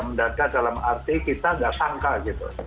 mendadak dalam arti kita nggak sangka gitu